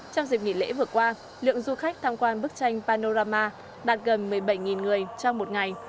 trong dịp nghỉ lễ vừa qua lượng du khách tham quan bức tranh panorama đạt gần một mươi bảy người trong một ngày